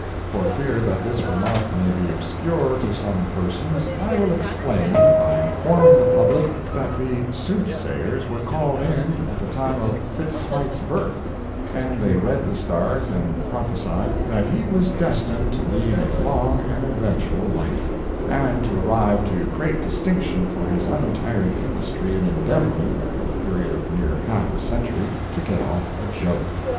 For fear that this remark may be obscure to some persons I will explain by informing the public that the soothsayers were called in at the time of Fitz Smythe's birth, and they read the stars and prophecied that he was destined to lead a long and eventful life, and to arrive to great distinction for his untiring industry in endeavoring, for the period of near half a century, to get off a joke.